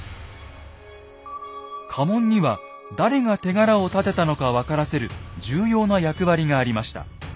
家紋には誰が手柄を立てたのか分からせる重要な役割がありました。